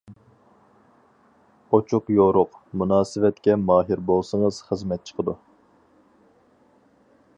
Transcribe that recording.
ئوچۇق يورۇق، مۇناسىۋەتكە ماھىر بولسىڭىز خىزمەت چىقىدۇ.